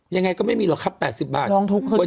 ยังไงก็ไม่มีหรอกครับ๘๐บาทวันนี้ผมซื้อ๕๗๐๐บาท